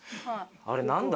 あれ何だ？